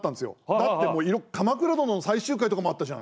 だって「鎌倉殿」の最終回とかもあったじゃん。